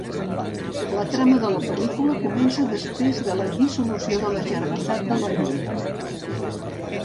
La trama de la pel·lícula comença després de la dissolució de la Germandat de l'Anell.